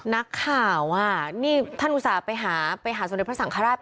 นักข่าวอ่ะนี่ท่านอุทธิ์อุตส่าห์ไปหาสนิทภศักดีศาสตร์